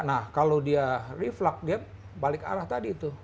nah kalau dia refluct dia balik arah tadi tuh